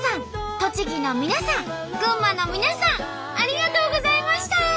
栃木の皆さん群馬の皆さんありがとうございました！